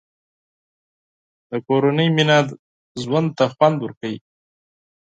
د کورنۍ مینه ژوند ته خوند ورکوي.